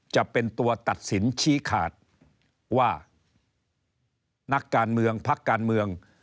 จะเป็นตัวตัดสินชี้ขาดว่านักการเมืองพักการเมือง